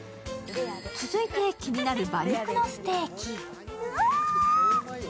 続いて気になる馬肉のステーキ。